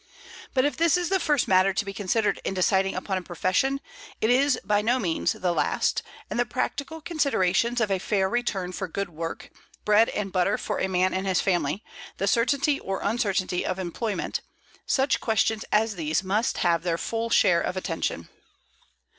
But if this is the first matter to be considered in deciding upon a profession, it is by no means the last, and the practical considerations of a fair return for good work, bread and butter for a man and his family, the certainty or uncertainty of employment, such questions as these must have their full share of attention.